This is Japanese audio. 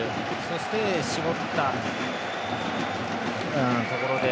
そして、絞ったところで。